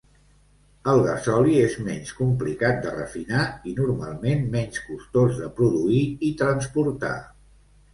El gasoli és menys complicat de refinar i normalment menys costós de produir i transportar.